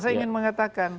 saya ingin mengatakan